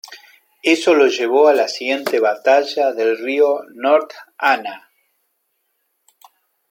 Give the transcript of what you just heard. Eso lo llevó a la siguiente batalla del río North Anna.